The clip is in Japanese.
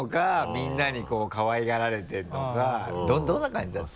みんなにかわいがられてるのかどんな感じだった？